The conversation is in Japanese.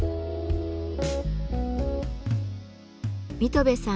水戸部さん